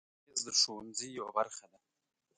مېز د ښوونځي یوه برخه ده.